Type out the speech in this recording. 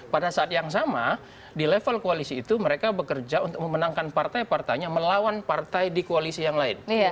pada saat yang sama di level koalisi itu mereka bekerja untuk memenangkan partai partainya melawan partai di koalisi yang lain